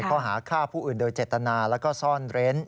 เพราะหาฆ่าผู้อื่นโดยเจตนาและก็ซ่อนเรนด์